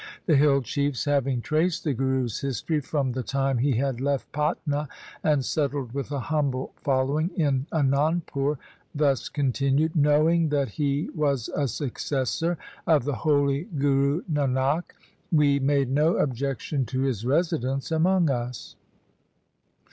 The hill chiefs, having traced the Guru's history from the time he had left Patna and settled with a humble following in Anandpur, thus continued :' Knowing that he was a successor of the holy Guru Nanak, we made no objection to his residence among us.